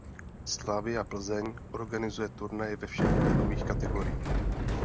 Slavia Plzeň organizuje turnaje ve všech věkových kategoriích.